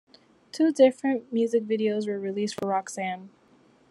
Two different music videos were released for "Roxanne".